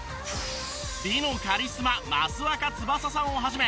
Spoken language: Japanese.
美のカリスマ益若つばささんを始め